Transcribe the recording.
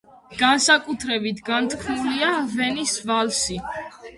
განსაკუთრებით განთქმულია ვენის ვალსი.